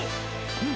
うん！